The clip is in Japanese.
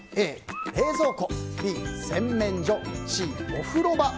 Ａ、冷蔵庫Ｂ、洗面所Ｃ、お風呂場。